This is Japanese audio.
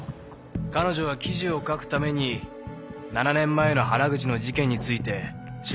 彼女は記事を書くために７年前の原口の事件について調べていると言っていました。